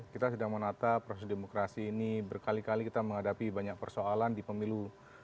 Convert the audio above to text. kita sedang menata proses demokrasi ini berkali kali kita menghadapi banyak persoalan di pemilu dua ribu dua puluh